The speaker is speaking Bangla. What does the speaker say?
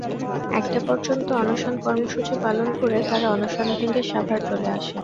একটা পর্যন্ত অনশন কর্মসূচি পালন করে তাঁরা অনশন ভেঙে সাভার চলে আসেন।